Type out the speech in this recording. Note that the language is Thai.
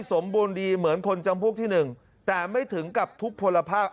สมบูรณ์ดีเหมือนคนจำพวกที่หนึ่งแต่ไม่ถึงกับทุกพลภาพ